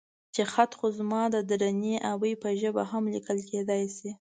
چې خط خو زما د درنې ابۍ په ژبه هم ليکل کېدای شي.